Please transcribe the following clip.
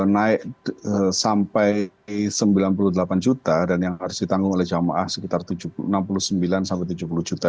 naik sampai sembilan puluh delapan juta dan yang harus ditanggung oleh jamaah sekitar enam puluh sembilan sampai tujuh puluh juta